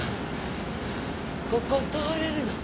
ここ通れるの？